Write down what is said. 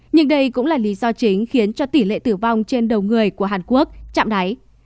nhưng đây cũng là lý do chính khiến cho tỷ lệ tử vong trên đầu người của hàn quốc chạm đáy